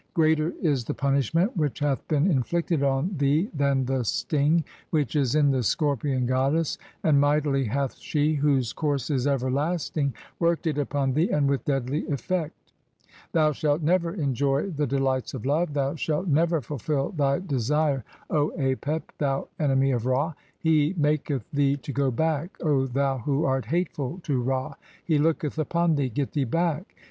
Greater is the "punishment [which hath been inflicted on] thee than the sting (?) "which is in the Scorpion goddess, and mightily hath she, whose "course is everlasting, worked it upon thee and with deadly effect. "(11) Thou shalt never enjoy the delights of love, thou shalt "never fulfil thy desire, O Apep, thou Enemy of Ra ! He maketh "thee to go back, O thou who art hateful to Ra ; he looketh "upon thee, (12) get thee back!